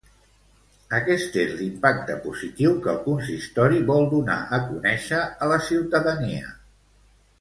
Aquest és l'impacte positiu que el consistori vol donar a conèixer a la ciutadania.